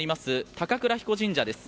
高倉彦神社です。